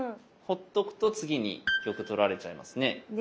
ほっとくと次に玉取られちゃいますね。